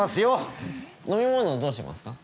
飲み物どうしますか？